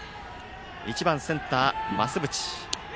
１番センター、増渕。